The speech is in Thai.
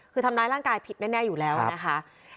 คือทำร้ายร่างกายผิดแน่อยู่แล้วนะคะ